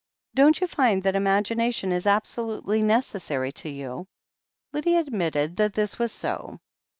Don't you find that imagination is absolutely necessary to you?'' Lydia admitted that this was so.